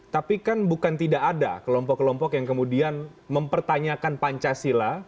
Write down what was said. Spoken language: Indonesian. tapi kan bukan tidak ada kelompok kelompok yang kemudian mempertanyakan pancasila